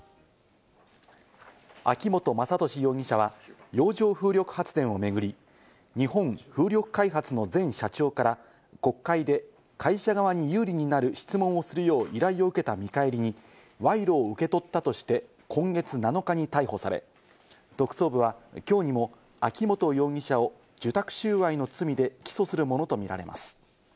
秋本真利容疑者は洋上風力発電を巡り、日本風力開発の前社長から国会で、会社側に有利になる質問をするよう依頼を受けた見返りに賄賂を受け取ったとして、今月７日に逮捕され、特捜部はきょうにも秋本容疑者を受託収賄の罪で起訴するものとみられます。